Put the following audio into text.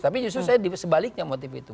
tapi justru saya sebaliknya motif itu